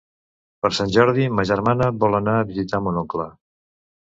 Per Sant Jordi ma germana vol anar a visitar mon oncle.